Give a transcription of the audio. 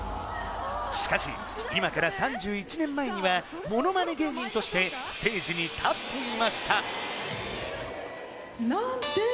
しかし今から３１年前にはものまね芸人としてステージに立っていました